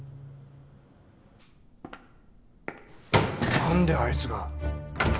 なんであいつが。